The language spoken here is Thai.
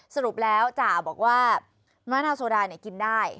สรุปแล้วจ่าบอกว่ามะนาวโซดากินได้